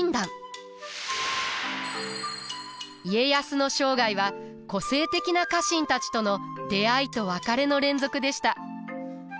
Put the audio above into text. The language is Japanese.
家康の生涯は個性的な家臣たちとの出会いと別れの連続でした。